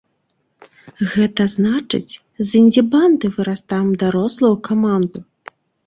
Гэта значыць, з індзі-банды вырастаем ў дарослую каманду.